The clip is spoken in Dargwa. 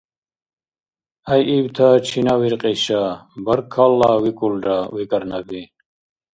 — ГӀяйибта чина виркьиша, баркалла викӀулра, — викӀар Наби.